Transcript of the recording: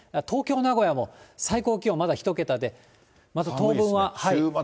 東京、名古屋も最高気温、まだ１桁で、また当分は。